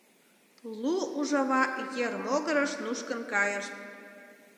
Лу ужава ер могырыш нушкын кайышт.